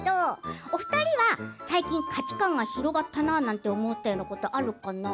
お二人は最近、価値観が広がったななんて思っていることはあるかな？